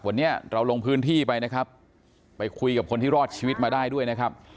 วันนี้เราลงพื้นที่ไปนะครับไปคุยกับคนที่รอดชีวิตมาได้ด้วยนะครับ